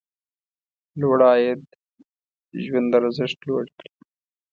لوړ عاید ژوند ارزښت لوړ کړي.